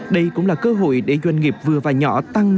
đây cũng là cơ hội để doanh nghiệp vừa và nhỏ tăng